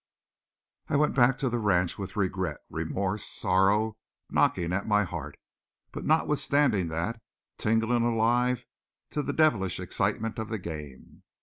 I went back to the ranch with regret, remorse, sorrow knocking at my heart, but notwithstanding that, tingling alive to the devilish excitement of the game.